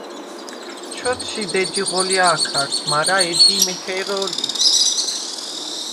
ჩ’ოთშიდ ეჯი ღოლჲა̄ქარს, მარა ეჯი იმ ეხე̄რო̄ლიხ?